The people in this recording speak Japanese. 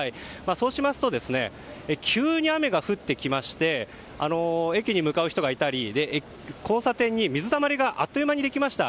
そうしますと急に雨が降ってきまして駅に向かう人がいたり交差点に水たまりがあっという間にできました。